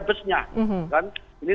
atau dari pihak armada